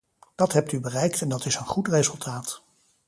Dat hebt u bereikt en dat is een goed resultaat.